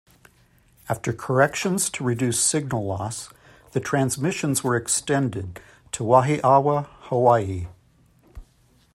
After corrections to reduce signal loss, the transmissions were extended to Wahiawa, Hawaii.